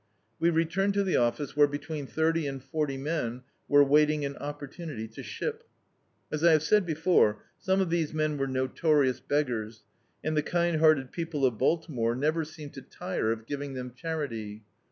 We returned to the office, where between thirty and forty men were waiting an opportunity to ship. As I have said before, some of these men were notorious beggars, and the kind hearted people of Baltimore never seemed to tire of giving them char D,i.,.db, Google A Strange Cattleman ity.